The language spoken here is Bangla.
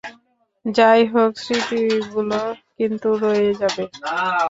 যাইহোক, স্মৃতিগুলো কিন্তু রয়ে যাবে।